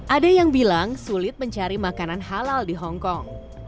ada yang bilang sulit mencari makanan halal di hongkong